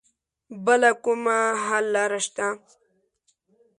بله کومه حل لاره شته